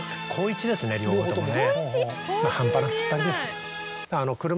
両方ともね。